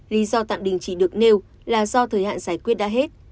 lý do tạm đình chỉ được nêu là do thời hạn giải quyết đã hết